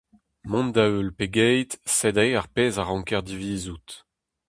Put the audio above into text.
Mont da heul, pe get, sed aze ar pezh a ranker divizout.